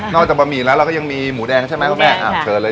นอกจากบะหมี่แล้วเราก็ยังมีหมูแดงใช่ไหมครับแม่